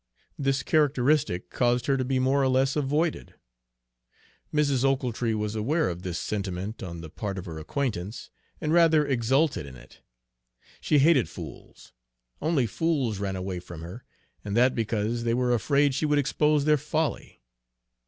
This characteristic caused her to be more or less avoided. Mrs. Ochiltree was aware of this sentiment on the part of her acquaintance, and rather exulted in it. She hated fools. Only fools ran away from her, and that because they were afraid she would expose their folly.